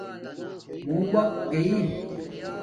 موں وقت گݵ